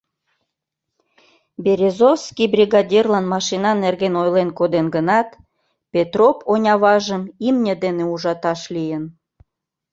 Березовский бригадирлан машина нерген ойлен коден гынат, Петроп оньаважым имне дене ужаташ лийын.